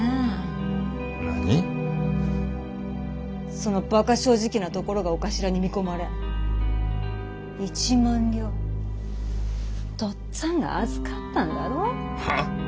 そのばか正直なところがお頭に見込まれ一万両とっつあんが預かったんだろう？はあ？